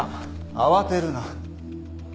慌てるな。